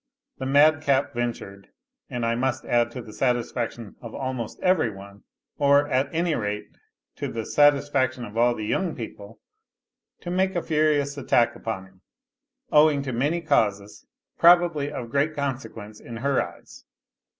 The madcap ventured and I must add to the satisfaction of almost every one or, at any rate, to the satisfaction of all the young people to make a furious attack upon him, owing to many causes, probably of great consequence in her eyes.